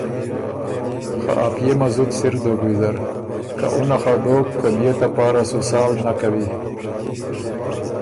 خه ا پئے مه زُت سِر دوک ویزرکه اُنه خه دوک که بيې ته پاره سو سا نک کوی